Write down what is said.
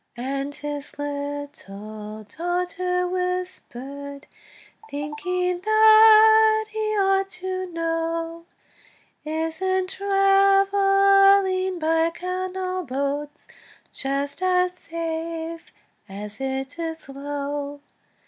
And his little daughter whispered, Thinking that he ought to know, "Isn't travelling by canal boats Just as safe as it is slow?"